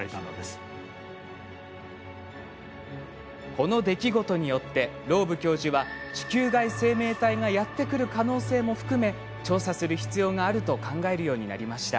この出来事によってローブ教授は地球外生命体がやって来る可能性も含め調査する必要があると考えるようになりました。